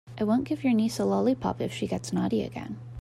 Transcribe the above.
I won't give your niece a lollipop if she gets naughty again.